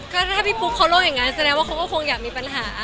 ก็ถ้าพี่ปุ๊กเขาโล่งอย่างนั้นแสดงว่าเขาก็คงอยากมีปัญหา